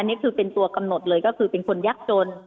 อันนี้เป็นตัวกำหนดเลยเป็นคนยากชน